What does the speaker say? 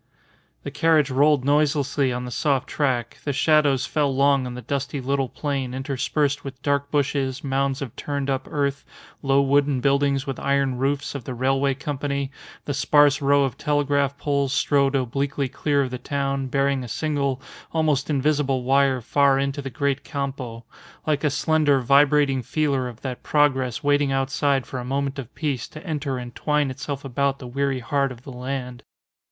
The carriage rolled noiselessly on the soft track, the shadows fell long on the dusty little plain interspersed with dark bushes, mounds of turned up earth, low wooden buildings with iron roofs of the Railway Company; the sparse row of telegraph poles strode obliquely clear of the town, bearing a single, almost invisible wire far into the great campo like a slender, vibrating feeler of that progress waiting outside for a moment of peace to enter and twine itself about the weary heart of the land.